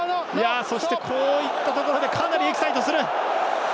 そして、こういったところでかなりエキサイトする。